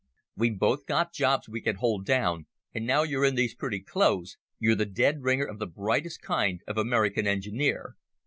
We've both got jobs we can hold down, and now you're in these pretty clothes you're the dead ringer of the brightest kind of American engineer